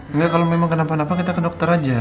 enggak kalau memang kenapa napa kita ke dokter aja